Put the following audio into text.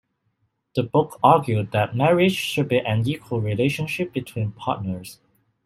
The book argued that marriage should be an equal relationship between partners.